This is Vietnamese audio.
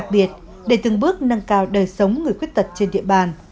một bước nâng cao đời sống người khuyết tật trên địa bàn